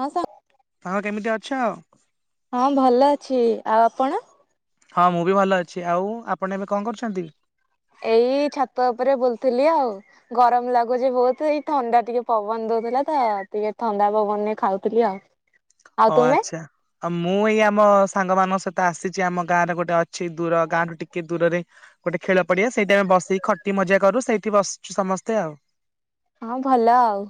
ହଁ ସାର୍ ତମେ କେମିତି ଅଛ। ହଁ ଭଲ ଅଛି ଆଉ ଆପଣ? ହଁ ମୁଁ ବି ଭଲ ଅଛି ଆଉ ଆପଣ ଏବେ କଣ କରୁଛନ୍ତି। ଏଇ ଛାତ ଉପରେ ବୁଲୁଥିଲି ଆଉ। ଗରମ ଲାଗୁଛି ବହୁତ ଏଇ ଥଣ୍ଡା ଟିକେ ପବନ ଦଉଥିଲା ତ ଟିକେ ଥଣ୍ଡା ପବନରେ ଖାଉଥିଲି ଆଉ। ଆଉ ଓ ତୁମେ? ଆଚ୍ଛା ଆଉ ମୁଁ ଏଇ ଆମ ସାଙ୍ଗ ମାନଙ୍କ ସହିତ ଆସିଛି ଆମ ଗାଁ ରେ ଗୋଟେ ଅ ଛି ଦୂର ଗାଁଠୁ ଟିକେ ଦୂରରେ। ଗୋଟେ ଖେଳ ପଡିଆ ସେଇଠି ଆମେ ବସିିକି ଖଟି ମଜା କରୁ ସେଇଠି ବସଛୁ ସମସ୍ତେ ଆଉ। ହଁ ଭଲ ଆଉ।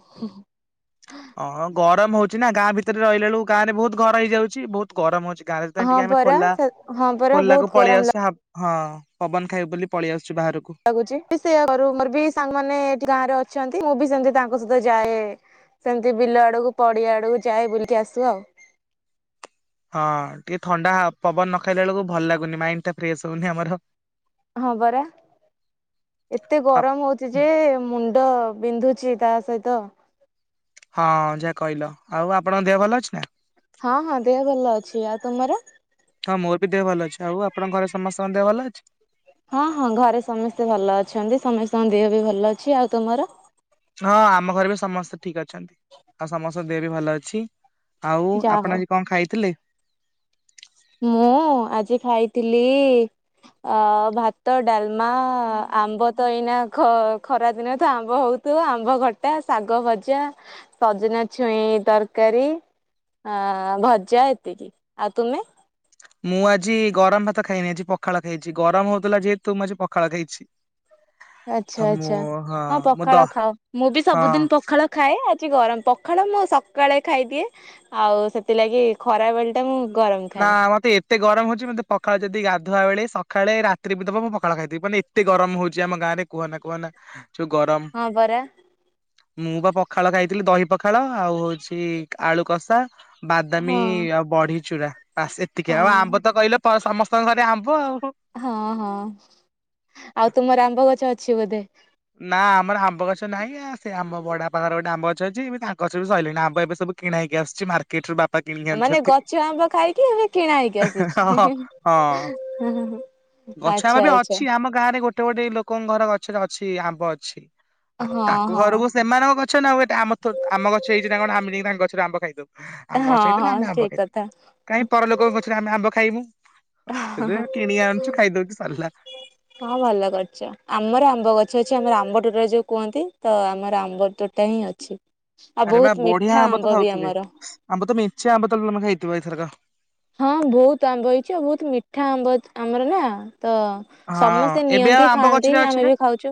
ଅ ହଁ ଗରମ ହଉଛି ନା ଗାଁ ଭିତରେ ରହିଲା ବେଳୁକୁ ଗାଁ ରେ ବହୁତ ଘର ହେଇଯାଉଛି ବହୁତ ଗରମ ହଉଛି ଗାଁରେ ସେଇଥିପାଇଁ ହଁ ଟିକେ ଆମେ ପରା ଖୋଲା ହଁ ପରା ବହୁତ ଖୋଲାକୁ ପଳେଇ ଗରମ ଲା ଆସୁ ହା ହଁ ପବନ ଖାଇବୁ ବୋଲି ପଳେଇ ଆସୁଚୁ ବାହାରକୁ। ଲାଗୁଚି ସେ ମୋର ବି ସାଙ୍ଗମାନେ ଏଠି ଗାଁ ରେ ଅଛନ୍ତି ମୁଁ ବି ସେମିତି ତାଙ୍କ ସହିତ ଯାଏ। ସେମିତି ବିଲ ଆଡ଼କୁ ପଡ଼ିଆ ଆଡ଼କୁ ଯାଏ ବୁଲି ଆସୁ ଆଉ। ହଁ ଟିକେ ଥଣ୍ଡା ପବନ ନ ଖାଇଲା ବେଳକୁ ଭଲ ଲାଗୁନି ମାଇଣ୍ଡ ଟା ଫ୍ରେଶ ହଉନି ଆମର। ହଁ ପରା। ଏତେ ଗରମ ହଉଛି ଯେ ମୁଣ୍ଡ ବିନ୍ଧୁଛି ତା ସହିତ ହଁ ଯାହା କହିଲ ଆଉ ଆପଣଙ୍କ ଦେହ ଭଲ ଅଛି ନା। ହଁ ହଁ ଦେହ ଭଲ ଅଛି ଆଉ ତୁମର? ହଁ ମୋର ବି ଦେହ ଭଲ ଅଛି ଆଉ ଆପଣଙ୍କ ଘରେ ସମସ୍ତେଙ୍କ ଦେହ ଭଲ ଅଛି। ହଁ ହଁ ଘରେ ସମସ୍ତେ ଭଲ ଅଛନ୍ତି ସମସ୍ତଙ୍କ ଦେହ ବି ଭଲ ଅଛି ଆଉ ତୁମର? ହଁ ଆମ ଘରେ ବି ସମସ୍ତେ ଠିକ ଅଛନ୍ତି ଆଉ ସମସ୍ତଙ୍କ ଦେହେ ବି ଭଲ ଅଛି। ଆଉ ଯାହା ଆପଣ ହଉ ଆଜି କଣ ଖାଇଥିଲେ। ମୁଁ ଆଜି ଖାଇଥିଲି ଅ ଭାତ ଡାଲମା ଆମ୍ବ ତ ଏଇନା ଖ ଖରା ଦିନ ତ ଆମ୍ବ ହଉ ତୁ ଆମ୍ବ ଖଟା ଶାଗ ଭଜା ସଜନା ଛୁଇଁ ତରକାରୀ। ହଁ ଭଜା ଏତିକି ଆଉ ତୁମେ? ମୁଁ ଆଜି ଗରମ ଭାତ ଖାଇନି ଆଜି ପଖାଳ ଖାଇଚି। ଗରମ ହଉଥିଲା ଯେହେତୁ ମୁଁ ଆଜି ପଖାଳ ଖାଇଚି। ଆଚ୍ଛା ଆଛା, ହଁ ମୁଁ ଦ ପଖାଳ ଖାଅ। ମୁଁ ବି ହଁ ସବୁଦିନ ପଖାଳ ଖାଏ ଆଜି ଗରମ, ପଖାଳ ମୁଁ ସକାଳେ ଖାଇଦିଏ। ଆଉ ସେଥିଲାଗି ଖରା ବେଳ୍ ଟା ମୁଁ ଗରମ ନା ଖାଏ ମତେ ଏତେ ଗରମ ହଉଛି, ମତେ ପଖାଳ ଯଦି ଗାଧୁଆ ବେଳେ ସକାଳେ ରାତିରେ ବି ଦବ, ମୁଁ ପଖାଳ ଖାଇଦେବି। ମାନେ ଏ ଏତେ ଗରମ ହଉଛି ଆମ ଗାଁ ରେ, କୁହନା କୁହନା ଯଉ ଗରମ! ହଁ ପରା ମୁଁ, ବା ପଖାଳ ଖାଇଥିଲି। ଦହି ପଖାଳ, ଆଉ ହଉଛି ଆଳୁ କଷା। ବାଦାମୀ ହଁ। ଆଉ ବଢି ଚୁରା, ବାସ୍ ଏତିକି ଆଉ ହଁ ଆମ୍ବ ତ କହିଲ, ସମସ୍ତଙ୍କ ଘରେ ଆମ୍ବ ଆଉ। ହଁ, ହଁ, ଆଉ ତୁମର ଆମ୍ବ ଗଛ ଅଛି ବୋଧେ! ନା, ଆମର ଆମ୍ବ ଗଛ ନାହିଁ। ସେ ଆମ ବଡପା ଘର ଗୋଟେ ଆମ୍ବ ଗଛ ଅଛି। ଏବେ ତାଙ୍କ ଗଛରୁ ବି ସଇଲାଣି। ଆମ୍ବ ଏବେ ସବୁ କିଣାହେଇକି ଆସୁଛି ମାର୍ କେଟରୁ ବାପା କିଣିିକି ମାନେ ଆଣୁଛନ୍ତି। ଗଛ ଆମ୍ବ ଖାଇକି ଏବେ କିଣା ହେଇକି ଆସୁଛି। ହଁ, ହଁ ଗଛ ଆମ୍ବ ଆଚ୍ଛା ବି ଆଚ୍ଛା ଅଛି, ଆମ ଗାଁ ରେ ଗୋଟେ ଗୋଟେ ଲୋକଙ୍କ ଘର ଗଛରେ ଅଛି, ଆମ୍ବ ଅଛି। ଆଉ ହଁ ତାଙ୍କ ହଁ। ଘରକୁ ସେମାନଙ୍କ ଗଛ ନାଉ। ଏଟା ଆମ ଥୋ ଆମ ଗଛ ହେଇଛି ନା କଣ, ଆମେ ତାଙ୍କ ଗଛରେ ଆମ୍ବ ଖାଇଦବୁ। ଆମ ଗଛ ହଁ ହେଇଥିଲା ଆମେ ହଁ ଆମ୍ବ ଠିକ ଖାଇଥି କଥା। କାହିଁ ପରଲୋକଙ୍କୁ ଗଛରୁ ଆମେ ଆମ୍ବ ଖାଇମୁ? ତେବେ କିଣିକି ଆଣୁଛୁ, ଖାଇଦଉଛୁ ସରଲା। ହଁ, ଭଲ କରିଛ। ଆମର ଆମ୍ବ ଗଛ ଅଛି। ଆମର ଆମ୍ବ ତୁଟର ଯୋଉ କୁହନ୍ତି, ତ ଆମର ଆମ୍ବ ତୁ ଏଇଟା ହିଁ ଅଛି, ଆଉ ଆରେ ବା ବହୁତ ବଢିଆ ମିଠା ତ ଆମ୍ବ ବି ଖାଉଥିବେ ଆମର। ଆମ୍ବ ତ ମେଞ୍ଚେ ଆମ୍ବ, ତାଏଲେ ତମେ ଖାଇଥିବ ଏଥରକ! ହଁ, ବହୁତ ଆମ୍ବ ହେଇଛି। ଆଉ ବହୁତ ମିଠା ଆମ୍ବ ଆମର ନା, ତ ହଁ, ସମସ୍ତେ ଏବେ ଆଉ ନିଅନ୍ତି ଆମ୍ବ ଖାଆନ୍ତି ଗଛରେ ଅଛି ଆମେ ନା? ବି ଖାଉଛୁ।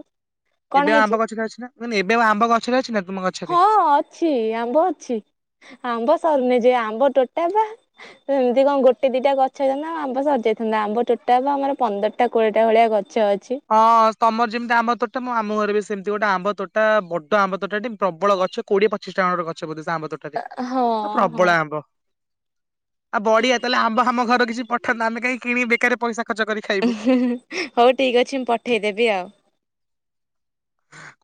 କଣ ଏବେ ଆଉ ଆମ୍ବ ହେଇଛି? ଗଛରେ ଅଛି ନା? ନା ନା, ଏବେ ଆଉ ଆମ୍ବ ଗଛରେ ଅଛି ନା, ତୁମ ଗ ହଁ, ଅଛି ଆମ୍ବ ଅଛି। ଆମ୍ବ ସରୁନି, ଯେ ଆମ୍ବ ତୋଟା ପା। ସେମିତି କଣ ଗୋଟେ ଦିଟା ଗଛ ହେଇଥାନ୍ତା, ଆଉ ଆମ୍ବ ସରି ଯାଇଥାନ୍ତା, ଆମ୍ବ ଟୋଟାଲ୍ ବା ଆମର ପନ୍ଦର ଟା କୋଡ଼ିଏଟା ଭଳିଆ ଗଛ ଅଛି। ହଁ, ତମର ଯେମିତି ଆମ୍ବ ତୋଟା, ମୁଁ ଆମୁଁ ଘରେ ବି ସେମିତି ଗୋଟେ ଆମ୍ବ ତୋଟା, ବଡ ଆମ୍ବ ତୋଟା ଟି ପ୍ରବଳ ଗଛ। କୋଡିଏ ପଚିଶଟା ଖଣ୍ଡେ ଗଛ ବୋଧେ ସେ ଆମ୍ବ ତୋଟାରେ! ହଁ ଆ ହଁ ପ୍ରବଳ ଆମ୍ବ। ଆ ବଢିଆ ତାହେଲେ, ଆମ୍ବ, ଆମ ଘର କିଛି ପଠାନ୍ତ, ଆମେ କାହିଁ କିଣ ବେକାରେ ପଇସା ଖର୍ଚ୍ଚ କରି ଖାଇବୁ? ହଉ ଠିକ୍ ଅଛି, ମୁଁ ପଠେଇଦେବି ଆଉ।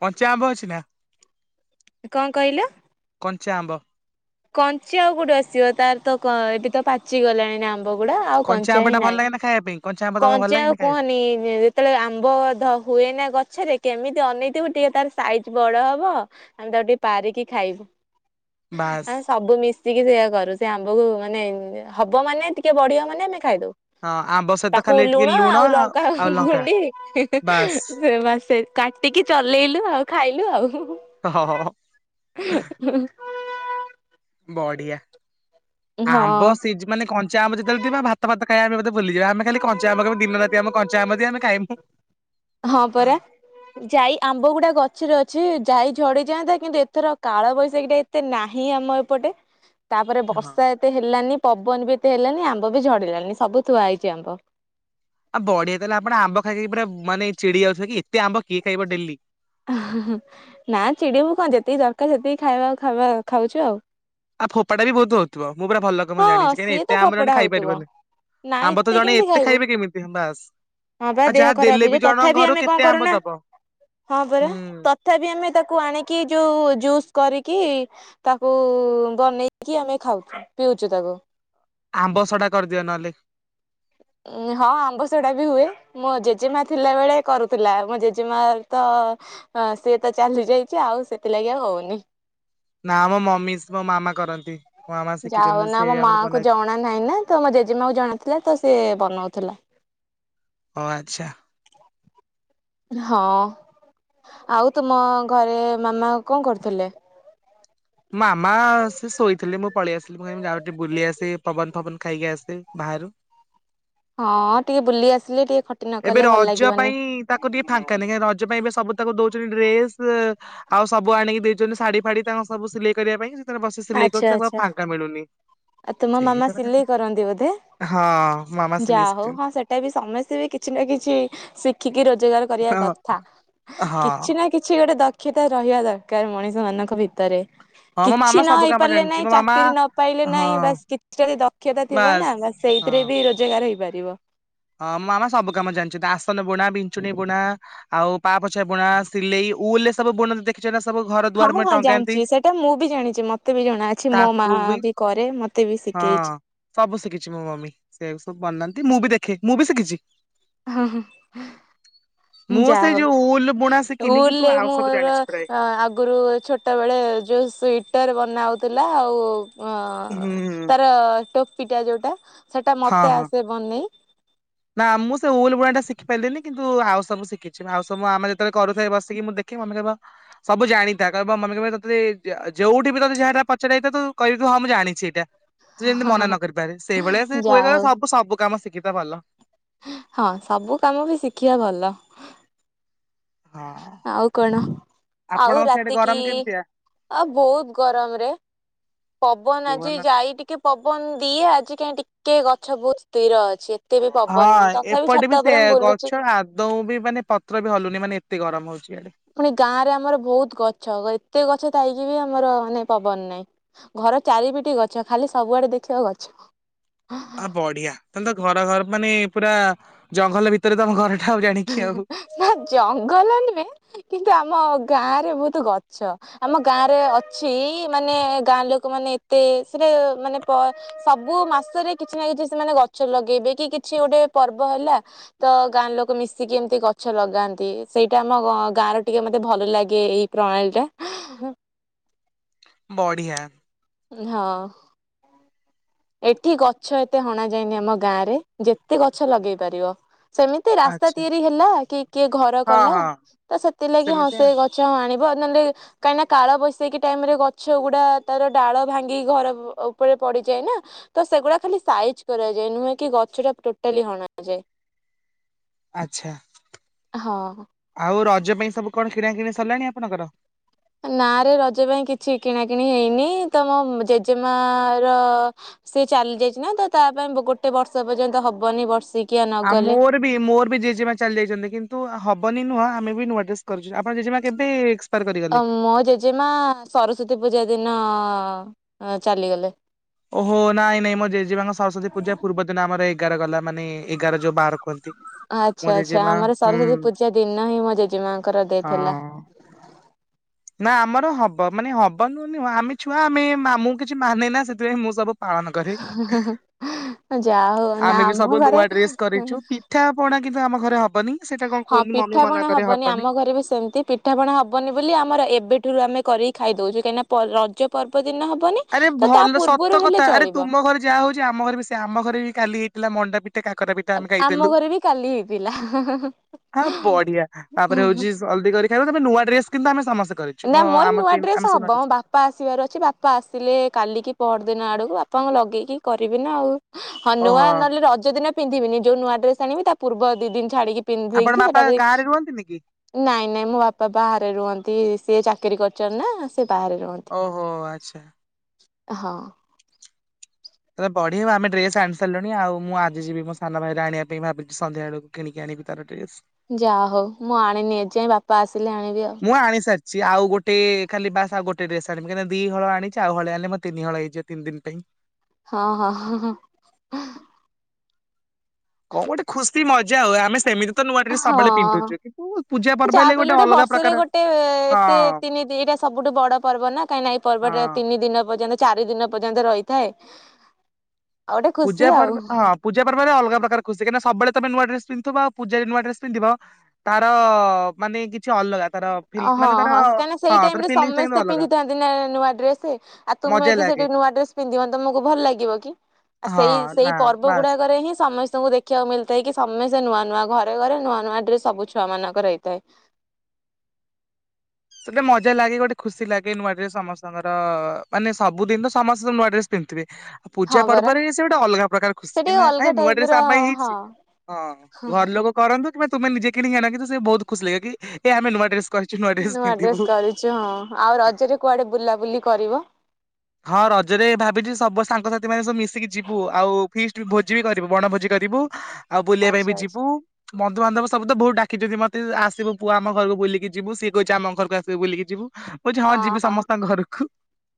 କଞ୍ଚା ଆମ୍ବ ଅଛି ନା? କଣ କହିଲ? କଞ୍ଚା ଆମ୍ବ। କଞ୍ଚା ଆଉ କୋଉଠୁ ଆସିବ? ତାର ତ କ ଏବେ ତ ପାଚି ଗଲାଣି ନା ଆମ୍ ବଗୁଡା ଆଉ କଞ୍ଚା ଆମ୍ବ ଟା ହିଁ ଭଲ ନାହିଁ। ଲାଗେ ନା ଖାଇବା ପାଇଁ ଆମ୍ବ ତମକୁ ଭଲ କଞ୍ଚା ଲାଗେନି ଆଉ ଖାଇବା ପାଇଁ? କୁହନି, ଯେଁ ଯେତ୍ କେତେବେଳେ ଆମ୍ବ ଧ ହୁଏନା ଗଛରେ କେମିତି ଅନେଇଥିବୁ, ଟିକେ ତାର ସାଇଜ ବଡ ହବ। ଆମେ ତାକୁ ଟିକେ ପାରିକି ଖାଇବୁ। ବାସ୍ ଆମେ ସବୁ ମିଶିକି ସେଇଆ କରୁ। ସେ ଆମ୍ବକୁ ମାନେ ହବ ମାନେ, ଟିକେ ବଢିବ ମାନେ ଆମେ ଖାଇଦଉ। ହଁ ଆମ୍ବ ସହିତ ତାକୁ ଖାଲି ଟିକେ ଲୁଣ ଆଉ ଲଙ୍କା ଆଉ ଲଙ୍କା ଗୁଣ୍ଡି, ହିଁ, ହିଁ, ବାସ୍। ସେ ମା ସେ କାଟିକି ଚଲେଇଲୁ, ଆଉ ଖାଇଲୁ ଆଉ। ହ ହ ହ ହ। ହଁ ହଁ। ବଢିଆ। ଆମ୍ବ ହଁ ସିଝ୍ ମାନେ କଞ୍ଚା ଆମ୍ବ ଯେତେବେଳେ ଥିବ, ଭାତ ଫାତ ଖାଇବା ଆମେ ବୋଧେ ଭୁଲି ଯିବା। ଆମେ ଖାଲି କଞ୍ଚା ଆମ୍ବ ଖାଇବୁ ଦିନ ରାତି ଆମ କଞ୍ଚା ଆମ ଦିଅ ଆମେ ଖାଇମୁ। ହଁ, ପରା। ଯାଇ ଆମ୍ବ ଗୁଡା ଗଛରେ ଅଛି। ଯାଇ ଝଡିଯାଆନ୍ତା, କିନ୍ତୁ ଏଥର କାଳ ବୈଶାଖୀ ଟା ଏତେ ନାହିଁ ଆମ ଏପଟେ। ତା'ପରେ ହଁ ବର୍ଷା ଏତେ ହେଲାନି, ପବନ ବି ଏତେ ହେଲାନି, ଆମ୍ବ ବି ଝଡ଼ିଲାନି। ସବୁ ଥୁଆ ହେଇଛି ଆମ୍ବ। ଆ ବଢିଆ ତା, ହେଲେ ଆପଣ ଆମ୍ବ ଖାଇ ଖାଇ ପୁରା ମାନେ ଚିଡି ଯାଉଥିବେ କି, ଏତେ ଆମ୍ବ କିଏ ଖାଇବ ଡେଲି? ନା ଚିଡିିବୁ କଣ? ଯେତିକି ଦରକାର ସେତିକି ଖାଇବା ଖାଇବା ଖାଉଛୁ ଆଉ। ଆଉ ଫୋପଡ଼ା ବି ବହୁତ ହଉଥିବ ମୁ ପୁରା ଭଲ ରକମ ହଁ ଜଣିଛି କାହିଁକି ନା ସିଏ ତ ଏତେ ଆମ୍ୱ ଫପଡା ଜଣେ ହଉଥିବ ଖାଇପାରିବନି। ନାଇଁ ଆମ୍ବ ତ ଜଣେ କେମିତି ଏତେ ଖାଇବୁ। ଖାଇବେ କେମିତି ହଁ ବାସ। ହଁ ବା ଦେହ ଖରାପ ହେଇଯିବ ତଥାପି ଆମେ କଁ କେତେ ଆମ୍ବ କରୁନା ଦବ ହଁ ପରା ହୁଁ ତ ତଥାପି ଆମେ ତାକୁ ଆଣିକି ଯୋଉ ଜୁସ୍ କରିକି। ତାକୁ ବନେଇକି ଆମେ ଖାଉଚୁ ପିଉଛୁ ତାକୁ। ଆମ୍ବ ସଡା କରିଦିଅ ନହେଲେ। ଉଁ ହଁ ଆମ୍ବ ସଡ଼ା ବି ହୁଏ। ମୋ ଜେଜେମା ଥିଲା ବେଳେ କରୁଥିଲା ଆଉ ମୋ ଜେଜେ ମା ଏବେ ତ। ହଁ ସିଏ ତ ଚାଲି ଯାଇଛି ଆଉ ସେଥିଲାଗି ଆଉ ହଉନି। ନା ମୋ ମମି ସ ମୋ ମାମା କରନ୍ତି। ମୋ ମାମା ଯା ହଉ ଶିଖିଛନ୍ତି ନା‌ ସେ ମୋ ମା ଆମର କୁ ବନାଇଛି ଜଣା ନାହିଁ ନା ତ ମୋ ଜେଜେମା କୁ ଜଣା ଥିଲା ତ ସିଏ ବନଉଥିଲା। ଓ ଆଚ୍ଛା। ହଁ ଆଉ ତମ ଘରେ ମାମା କଣ କରୁଥିଲେ? ମାମା ସେ ଶୋଇଥିଲେ ମୁଁ ପଳେଇ ଆସିଲି। ମୁଁ କହିଲି ମୁଁ ଯାଉଚି ଟିକେ ବୁଲି ଆସେ ପବନ ଫବନ ଖାଇକି ଆସେ ବାହାରୁ। ହଁ ଟିକେ ବୁଲି ଆସିଲେ ଟିକେ ଖ ଏବେ ରଜ ପାଇଁ ତାକୁ ଟିକେ ଫାଙ୍କା ନାଇ କାଇଁ ରଜ ପାଇଁ ଏବେ ସବୁ ତାକୁ ଦଉଛନ୍ତି ଡ୍ରେସ। ଆଉ ସବୁ ଆଣିକି ଦେଇଛନ୍ତି ଶାଢୀ ଫାଢୀ ତାଙ୍କର ସବୁ ସିଲେଇ କରିବା ପାଇଁ ସିଏ ତାର ବସି ସିଲେଇ ଆଚ୍ଛା କରୁଛି ତାକୁ ଆଚ୍ଛା। ଫାଙ୍କା ମିଳୁନି। ଆଉ ତୁମ ସେଇ ମାମା କଥା କେତେ ସିଲେଇ କରନ୍ତି ବୋଧେ ହଁ ମାମା ଯା ସିଲେଇ ହଉ ଶିଖିଛନ୍ତି ହଁ। ସେଟା ବି ସମସ୍ତେ ବି କିଛି ନା କିଛି ଶିଖିକି ରୋଜଗାର। କରିବା ହଁ। କଥା ହଁ କିଛି ନା କିଛି ଗୋଟେ ଦକ୍ କ୍ଷତା ରହିବା ଦରକାର ମଣିଷ ମାନଙ୍କ ଭିତରେ। ହଁ ମୋ କିଛି ମାମା ନ ସବୁ ହେଇ କାମ ପାରିଲେ ଜାଣିଛି ନାହିଁ ମୋ ମାମା ଚାକିରି ନ ପାଇଲେ। ହଁ ନାଇଁ ବାସ୍ କିଛି ଯଦି ଦକ୍ଷତା ଥିବ ନା ବାସ୍ ବାସ ହଁ। ସେଇଥିରେ ବି ରୋଜଗାର ହେଇପାରିବ। ହଁ ମୋ ମାମା ସବୁ କାମ ଜାଣିଛନ୍ତି ଆସନ ବୁଣା ବିଞ୍ଚୁଣି ବୁଣା ଆଉ ପା ପୋଛା ବୁଣା ସିଲେଇ। ଉଲରେ ସବୁ ବୁଣନ୍ତି ଦେଖ ଖିଚ ନା ସବୁ ଘର ଦୁଆର ହଁ ମୁହଁରେ ହଁ ଟଙ୍ଗାନ୍ତି। ଜାଣିଛି ସେଇଟା ମୁଁ ବି ଜାଣିଛି ମତେ ବି ଜଣା ଅଛି ମୋ ମା ବି କରେ ମତେ ବି ହଁ ଶିଖେଇଛି। ସବୁ ଶିଖିଛି ମୋ ମମି ସେଇଆକୁ ସବୁ ବନାନ୍ତି ମୁଁ ବି ଦେଖେ ମୁଁ ବି ଶିଖିଛି। ହୁଁ ହୁଁ। ମୁଁ ଯା ସେଇ ଯୋଉ ଉଲ ବୁଣା ହଉ ଶିଖିନି କିନ୍ତୁ ଉଲରେ ଆଉ ସବୁ ମୋର ଜାଣିଛି ପ୍ରାୟ ଆଗରୁ ଛୋ ଛୋଟବେଳେ ଯୋଉ ସୁଇଟର ବନା ହଉଥିଲା ଆଉ ଅ। ହୁଁ ତାର ଟୋପିଟା ଯୋଉଟା ସେଟା ହଁ ମତେ ହଁ। ଆସେ ବନେଇ। ନା ମୁଁ ସେ ଉଲ ବୁଣା ଟା ଶିଖି ପାରିଲିନି କି ନ୍ତୁ ଆଉ ସବୁ ଶିଖିଛି ଆଉ ସବୁ ମୋ ମାମା ଯେତେବେଳେ କରୁଥାଏ ବସିକି ମୁଁ ଦେଖେ ମମି କହିବ। ସବୁ ଜାଣିଥା କହିବ ମମି କହିବ ତତେ ଜା ଯୋଉଠି ବି ତତେ ଯାହାଟା ପଚାର ହେଇଥିବ ତୁ କିହିବୁ ହଁ ମୁଁ ଜାଣିଛି ଏଇଟା। ତୁ ଯେମିତି ମନା ନ କରିପାରେ ସେଇଭଳିଆ ସେ କୁହେ ଯାହା ତ ହଉ ସବୁ ସବୁ କାମ ଶିଖିଥା ଭଲ। ହଁ ସବୁ କାମ ବି ଶିଖିବା ଭଲ। ହଁ। ଆଉ କଣ ଆଉ ଆପଣଙ୍କ ସିଆଡେ ରାତିକି ଗରମ କେମିତିଆ ଆ ବହୁତ ଗରମ ରେ। ପବନ ଆଜି କୁହନା କୁହନା। ଯାଇ ଟିକେ। ପବନ ଦିଏ ଆଜି କାଇଁ ଟିକେ ଗଛ ବହୁତ ସ୍ଥିର ଅଛି। ଏତେ ବି ପବନ ହଁ ନାହିଁ ତଥାପି ଏପଟେ ଛାତ ବି ଉପରେ ସେୟା ମୁଁ ବୁଲୁଛି ଗଛ ଆଦୌ ବି ମାନେ ପତ୍ର ବି ହଲୁନି ମାନେ ଏତେ ଗରମ ହଉଛି ଇଆଡେ। ପୁଣି ଗାଁ ରେ ଆମର ବହୁତ ଗଛ ଏତେ ଗଛ ଥାଇକି ବି ଆମର ମାନେ ପବନ ନାହିଁ। ଘର ଚାରିପିଟି ଗଛ ଖାଲି ସବୁଆଡେ ଦେଖିବ ଗଛ। ଆ ବଢିଆ ତମେ ତ ଘର ଘର ମାନେ ପୁରା ଜଙ୍ଗଲ ଭିତରେ ତମ ଘର। ହେଁ ହେଁ ନା ଜଙ୍ଗଲ ନୁହେଁ କିନ୍ତୁ ଆମ ଗାଁ ରେ ବହୁତ ଗଛ। ଆମ ଗାଁରେ ଅଛି ମାନେ ଗାଁ ଲୋକ ମାନେ ଏତେ ସେଟା ମାନେ ପ ସବୁ ମାସରେ କିଛି ନା କିଛି ସେମାନେ ଗଛ ଲଗେଇବେ କି କିଛି ଗୋଟେ ପର୍ବ ହେଲା। ତ ଗାଁ ଲୋକ ମି ଶୀକି ଏମିତି ଗଛ ଲଗାନ୍ତି ସେଇଟା ଆମ ଗାଁରେ ଟିକେ ମତେ ଭଲ ଲାଗେ ଏଇ ପ୍ରଣାଳୀ ଟା। ବଢିଆ। ହଁ। ଏଠି ଗଛ ଏତେ ହଣା ଯାଏନି ଆମ ଗାଁ ରେ ଯେତେ ଗଛ ଲଗେଇ ପାରିବ ସେମିତି ତି ରାସ୍ତା ଆଚ୍ଛା ତିଆରି ହେଲା କି କିଏ ଘର ହଁ କଲା ହଁ ତ ସେଥିଲାଗି ହଁ ସେମିତି ସେ ଆଉ ଗ ଆଣିବ ନଲେ କାହିଁକି ନା କାଳ ବୈଶାଖୀ ଟାଇମ ରେ ଗଛ ଗୁଡା ତାର ଡାଳ ଭାଙ୍ଗି ଘର ଉପରେ ପଡିଯାଏ ନା। ତ ସେଗୁଡା ଖାଲି ସାଇଜ କରାଯାଏ ନୁହେଁ କି ଗଛ ଟା ଟୋଟାଲି ହଣା ଯାଏ। ଆଛା, ହଁ। ଆଉ ରଜ ପାଇଁ ସବୁ କଣ କିଣା କିିଣି ସରିଲାଣି ଆପଣଙ୍କର? ନାଁ ରେ ରଜ ପାଇଁ କିଛି କିଣା କିିଣି ହେଇନି ତମ ଜେଜେମା ର ସେ ଚାଲି ଯାଇଛି ନା ତ ତା ପାଇଁ ଗୋଟେ ବର୍ଷ ପର୍ଯ୍ୟନ୍ତ ହବନି ବର୍ଷିକି ଆମୁ ବି ମୋର ବି ଜେଜେମା ଚାଲି ଯାଇଛନ୍ତି କିନ୍ତୁ ହବନି ନୁହଁ ଆମେ ବି ନୂଆ ଡ୍ରେସ୍ କରୁଛୁ ଆପଣ ଜେମା କେବେ ଏ ମୋ ଜେଜେମା ସରସ୍ଵତୀ ପୂଜା ଦିନ ଚାଲିଗଲେ। ଓହୋ ନାଇଁ ନାଇଁ ମୋ ଜେଜେମାଙ୍କ ସରସ୍ଵତୀ ପୂଜା ପୂର୍ବ ଦିନ ଆମର ଏଗାର ଗଲା ମାନେ ଏଗାର ଯୋଉ ବାର କୁହନ୍ତି। ମୋ ଆଚ୍ଛା ଆଚ୍ଛା ଜେଜେମା ଆମର ହୁଁ ସରସ୍ଵତୀ ପୂଜା ଦିନ ହିଁ ମୋ ଜେଜେମାଙ୍କର ହଁ। ଡେଥ୍ ହେଲା। ନା ଆମର ହବ, ମାନେ ହବ ନୁହେଁ ଆମେ ଛୁଆ ଆମେ ମୁଁ କିଛି ମାନେ ନା ସେଥିପାଇଁ ମୁଁ ସବୁ ପାଳନ କରେ, ଯାହା ହଉ ନା ଆମେ ବି ଆମ ସବୁ ଘରେ ନୂଆ ଡ୍ରେସ କରିଛୁ, ପି ପିଠା ପଣା କିନ୍ତୁ ଆମ ଘରେ ହବନି। ସେଇଟା କଣ ହଁ କୁହନ୍ତି ମମି ପିଠା ମନା ପଣା କରେ ହବନି ଆମ ଘରେ ବି ସେମିତି ପି ପିଠ ପଣା ହବନି ବୋଲି ଆମର ଏବେଠୁରୁ ଆମେ କରିକି ଖାଇଦଉଛୁ କାହିଁକିନା ରଜ ପର୍ବ ଦିନ ହବନି, ଆରେ ତ ତା ଭଲ ସତ ପୂର୍ବରୁ ହେଲେ କଥା ଆରେ ଚଳିବ। ତୁମ ଘରେ ଯାହା ହଉଛି ଆମ ଘରେ ବି ସେୟା ଆମ ଘରେ ବି କାଲି ହେଇଥିଲା ମଣ୍ଡା ପିଠା କାକରା ପି ଟାନ ଆମ ଖାଇଥିଲୁ, ଘରେ ବି କାଲି ହେଇଥିଲା। ହଁ ବଢିଆ ତାପରେ ହଉଛି ଜଲଦି କରି ଖାଇବୁ ତା ରେ ନୂଆ ଡ୍ରେସ୍ କିନ୍ତୁ ଆମେ ସମସ୍ତେ କରିଚୁ ନା ମୋ ମୋର ଆମ ନୂଆ ଟିମ ଡ୍ରେସ୍ ଆମେ ହବ ସବୁ ନୂଆ ମୋ ଡ୍ରେସ କରିଚୁ। ବାପା ଆସିବାର ଅଛି ବାପା ଆସିଲେ କାଲିକି ପହର ଦିନ ଆଡ଼କୁ ବାପାଙ୍କୁ ଲଗେଇକି କରିବି ନା ଆଉ। ହଁ ନୂଆ ଓହୋ ନହେଲେ ରଜଦିନ ପିନ୍ଧିବିନି ଯୋଉ ନୂଆଡ୍ରେସ ଆଣିବି ତା ପୂର୍ବ ଦି ଦିନ୍ ଛାଡ଼ିକି ପିନ୍ଧିଦେଇ ଆପଣ କି ବାପା ସେଟା ବି ଗାଁ ରେ ରୁହନ୍ତିନି କି ନାଇଁ ନାଇଁ ମୋ ବାପା ବାହାରେ ରୁହନ୍ତି ସିଏ ଚାକିରି କରିଛନ୍ତି ନା ସେ ବାହାରେ ରୁହନ୍ତି। ଓହୋ ଆଚ୍ଛା। ହଁ। ତ ପଢିିବ ଆମେ ଡ୍ରେସ ଆଣି ସାରିଲୁଣି ଆ ମୁଁ ଆ ଯିବି ସାନ ଭାଇରେ ଆଣିବା ପାଇଁ ଭାବୁଚି ସନ୍ଧ୍ୟା ବେଳକୁ। କିଣିକି ଆଣିବି ତାର ଡ୍ରେସ୍। ଯାହା ହଉ ମୁଁ ଆଣିନି ଏଯାଏ ବାପା ଆସିଲେ ଆଣିବି ଆଉ। ମୁଁ ଆଣି ସାରଛି ଆଉ ଗୋଟେ ଖାଲି ବାସ୍ ଆଉ ଗୋଟେ ଡ୍ରେସ୍ ଆଣିବି କହିଁକିନା ଦି ହଳ ଆଣିଛି ଆଉ ହଳେ ଆଣିଲେ ମୋର ତିନି ହଳ ହେଇଯିବ। ତିନ୍ ଦିନ୍ ପାଇଁ ହଁ ହଁ [inaudible] କଣ ଗୋଟେ ଖୁସି ମଜା ଆଉ ଆମେ ସେମିତି ତ ନୂଆ ଡ୍ରେସ୍ ହଁ ସବୁବେଳେ ହଁ ପିନ୍ଧୁଛୁ କିନ୍ତୁ ପୂଜା ପର୍ବ ଯାହା ହେଲେ ବି ଗୋଟେ ଅଲଗା ପ୍ରକାର ହଁ। ତିିନିଦି ଏଇଟା ସବୁଠୁ ବଡ ପର୍ବ ନା କାହିଁକି ନା ଏଇ ପର୍ବଟା ହଁ। ତିନି ଦିନ ପର୍ଯ୍ୟନ୍ତ ଚାରି ଦିନ ପର୍ଯ୍ୟନ୍ତ ରହିଥାଏ, ଆଉ ଗୋଟେ ପୂଜା ଖୁସି ପର୍ବ ଆଉ। ହଁ ପୂଜା ପର୍ବରେ ଅଲଗା ପ୍ରକାରର ଖୁସି କାହିଁକି ନା ସବବେଳେ ତମେ ନୂଆ ଡ୍ରେସ୍ ପିନ୍ଧଥିବ ଆଉ ପୂଜା ରେ ନୂଆ ଡ୍ରେସ୍ ପିନ୍ଧିବ ତାର ମାନେ କିଛି ଅଲଗା। ତାର ଫିଲ୍ ଅ ହଁ ମାନେ ହଁ ତାର କାହିଁକିନା ହଁ ସେଇ ତାର ଟାଇମ ରେ ଫିଲିଙ୍ଗସ୍ ଟା କିନ୍ତୁ ସମସ୍ତେ ଅଲଗା ପିନ୍ଧିଥାନ୍ତି ନା ନୂଆ ଡ୍ରେସେ ଆ ତୁମେ ମଜା ଯଦି ଲାଗେ ସେଠି ନୂଆଡ୍ରେସ୍ ପିନ୍ଧିବନି ତମକୁ ଭଲ ଲାଗିବ କି ଆଉ ହଁ ସେଇ ନା ସେଇ ପର୍ବ ବାସ୍। ଗୁଡାକରେ ହିଁ ସମସ୍ତଙ୍କୁ ଦେ ଖିବାକୁ ମିଳିଥାଏ କି ସମସ୍ତେ ନୂଆ ନୂଆ ଘରେ ଘରେ ନୂଆ ନୂଆ ଡ୍ରେସ୍ ସବୁ ଛୁଆମାନଙ୍କର ହେଇଥାଏ। ଗୋଟେ ମଜା ଲାଗେ ଗୋଟେ ଖୁସି ଲାଗେ ନୂଆ ଡ୍ରେସ ସମସ୍ତଙ୍କର ମାନେ ସବୁଦିନ ତ ସମସ୍ତେ ନୂଆ ଡ୍ରେସ ପିନ୍ଧୁଥିବେ। ଆ ହଁ ପରା ପର୍ବରେ ସେ ଗୋଟେ ଅଲଗା ପ୍ରକାର ଖୁସି ସେ କାହିଁ ଟିକେ ନା ଏ ଅଲଗା ନୂଆ ଟାଇପ ଡ୍ରେସ ର ଆମ ପାଇଁ ହଁ ହେଇଛି। ହଁ ଘର ଲୋକ କରନ୍ତୁ କି ତୁମେ ନିଜେ କିଣିକି ଆଣ କିନ୍ତୁ ସେ ବହୁତ ଖୁସି ଲାଗିବ କି ଏ ଆମେ ନୂଆ ଡ୍ରେସ ନୂଆ ଡ୍ରେସ କରିଚ ଆଉ ରଜରେ କୁଆଡେ ବୁଲାବୁଲି କରିବ? ହଁ ରଜରେ ଭାବିଛି ସବୁ ସାଙ୍ଗସାଥି ମାନେ ସବୁ ମିଶିକି ଯିବୁ ଆଉ ଫିଷ୍ଟ ଭୋଜି ବି କରିବୁ ବଣ ଭୋଜି କରିବୁ। ଆଉ ବୁଲିବା ଆଚ୍ଛା ପାଇଁବି ଆଚ୍ଛା ଯିବୁ ବନ୍ଧୁବାନ୍ଧବ ସବୁତ ବହୁତ୍ ଡାକିଚନ୍ତି ମତେ ଆସିବୁ ପୁଅ ଆମ ଘରକୁ ବୁଲିକି ଯିବୁ ସିଏ କହିଚି ଆମ ଘରକୁ ଆସିବୁ ବୁଲିକି ଯିବୁ ମୁଁ କଉଛି ହଁଯିବି ସମସ୍ତଙ୍କ ଘରକୁ।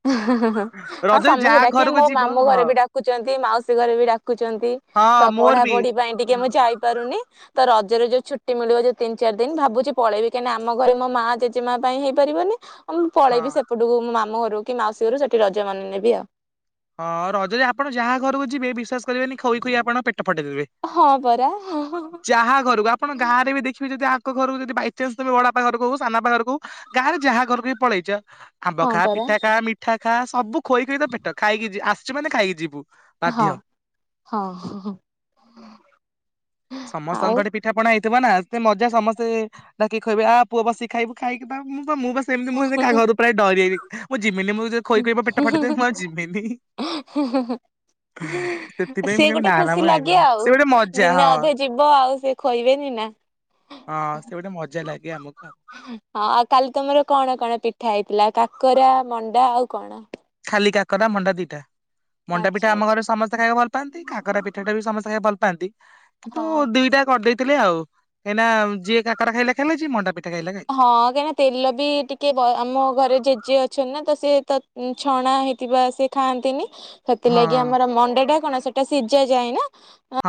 ହଁ ହ ହଁ। ହଁ ରଜରେ ତସମସ୍ତେ ଯାହା ଡାକିବେ ଘରକୁ ମୋ ଯିବ ମାମୁଁ ହଁ ଘରେବି ଡାକୁଚନ୍ତି ମାଉସୀ ଘରେବି ଡାକୁଚନ୍ତି ତ ହଁ ମୋର ପଢା ବି ପଢି ପାଇଁ ଟିକେ ହୁଁ ମୁଁ ଯାଇପାରୁନି। ତରଜରେ ଯୋଉ ଛୁଟି ମିଳିବ ଯଉ ତିନି ଚାରି ଦିନ ଭାବୁଚି ପଳେଇବି କାହିଁକି ଆମଘରେ ମୋ ମାଯଦି ମୋପାଇଁ ହେଇପାରିବନି ଆଉ ମୁଁ ହଁ। ପଳେଇବି ସେପଟକୁ ମୋ ମାମୁ ଘରକୁ କିମାଉସୀ ଘରକୁ ସେଠି ରଜ ମାନେଇନେବି ଆଉ। ହଁ ରଜରେ ଆପଣ ଯାହା ଘରକୁ ଯିବେ ବିଶ୍ୱାସ କରିବେନି ଖୋଇ ଖୋଇ ଆପଣ ପେଟ ଫଟେଇଦବେ। [unintelligible] ଯାହା ଘରକୁ ଆପଣ ଗାଁରେବି ଦେଖିବେ ଯଦି ଆଙ୍କ ଘରକୁ ଯଦି ବାଇଚାନ୍ସ ତମେ ବଡ଼ବାପା ଘରକୁ ହୋଉ ସାନା ବାପା ଘରକୁ ହୋଉ ଗାଁରେ ଯାହା ଘରକୁବି ପଳେଇଚ ଆମ୍ବ ହଁ ଖା ପରା ପିଠା ଖା ମିଠା ଖା ସବୁ ଖୋଇଖୋଇ ତପେଟ ଖାଇକି ଯିବ ଆସିଚୁ ମାନେ ଖାଇକି ଯିବୁ। ବାଧ୍ୟ ହଁ ହଁ। ଆଉ ସମସ୍ତଙ୍କଠି ପି ପିଠା ପଣା ହେଇଥିବନା ସେତେ ମଜା ସମେସ୍ତେ ଡାକିକି ଖୋଇବେ ଆ ପୁଅ ବସିକି ଖାଇବୁ ଖାଇକି ବା ମୁ ମୁଁ ବସି ସେମିତି ମୁଁ କାହା ଘରକୁ ପ୍ରାୟ ଡରିଗଲି ମୁଁ ଜିମିନି ମୁଁ ଯି ଖୋଇଖୋଇ ପେଟ ଫାଟେଇଦେବେ ମୁଁ ଜିମିନି ହୁ ହୁ ହୁ। ସେଥିପାଇଁ ମୁଁ କଇମି ନାନା ମୁଁ ଲାଗେ ଖାଇବିନି ଆଉ। ସେ ଗୋଟେ ମଜା ଦିନେ ହଁ। ଅଧେ ଯିବ ଆଉ ସେ ଖୋଇବେନିନା। ହଁ ସେଗୋଟେ ମଜା ଲାଗେ ଆମକୁ ଆଉ। ହଁ ଆଉ କାଲି ତମର କଣ କଣ ପିଠା ହେଇଥିଲା କାକରା ମଣ୍ଡା ଆଉ କଣ? ଖାଲି କାକରା ମଣ୍ଡା ଦିଟା। ମଣ୍ଡା ଆଚ୍ଛା ପିଠା ଆମ ଘରେ ଆଚ୍ଛା ସମେସ୍ତେ ଖାଇବାକୁ ଭଲ ପାଆନ୍ତି କାକେର ପିଠାଟାବି ସମସ୍ତେ ଖାଇବା ଭଲ ପାଆନ୍ତି। କିନ୍ତୁ ହଁ। ଦିଟା କରିଦେଇଥିଲେ ଆଉ କାହିଁକିନା ଯିଏ କାକେରା ଖାଇଲେ ଖାଇଲେ ଯିଏ ମଣ୍ଡା ପିଠା ଖାଇଲେ ଖାଇ ହଁ କାହିଁକିନା ତେଲବି ଟିକେ ଆମ ଘରେ ଜେଜେ ଅଛନ୍ତିନା ତସିଏ ତଛଣା ହେଇଥିବା ସେ ଖାଆନ୍ତିନି ସେଥିଲାଗି ହଁ। ଆମର ମଣ୍ଡେଟା କଣ ସେଟା ସିଝା ଯାଏନା ଆଁ